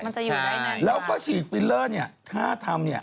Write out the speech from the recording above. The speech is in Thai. มันจะอยู่ได้ในแล้วก็ฉีดฟิลเลอร์เนี่ยถ้าทำเนี่ย